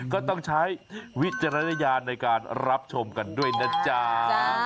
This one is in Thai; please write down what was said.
ก็ต้องใช้วิจารณญาณในการรับชมกันด้วยนะจ๊ะ